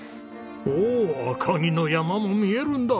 おお赤城の山も見えるんだ。